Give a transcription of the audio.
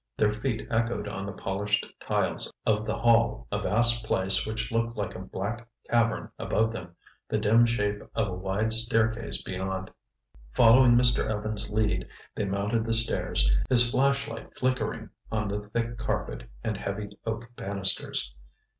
Their feet echoed on the polished tiles of the hall, a vast place which looked like a black cavern above them, the dim shape of a wide staircase beyond. Following Mr. Evans' lead, they mounted the stairs, his flashlight flickering on the thick carpet and heavy oak banisters.